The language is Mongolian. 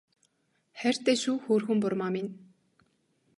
Хайртай шүү хөөрхөн бурмаа минь